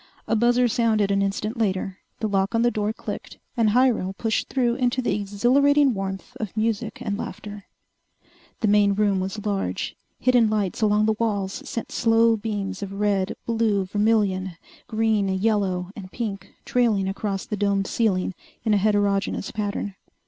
A buzzer sounded an instant later, the lock on the door clicked, and Hyrel pushed through into the exhilarating warmth of music and laughter. The main room was large. Hidden lights along the walls sent slow beams of red, blue, vermillion, green, yellow and pink trailing across the domed ceiling in a heterogeneous pattern.